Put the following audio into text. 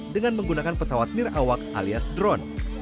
dengan menggunakan pesawat nirawak alias drone